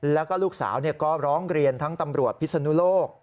แล้วก็ลูกสาวก็ร้องเรียนทั้งตำรวจพิศนุโลก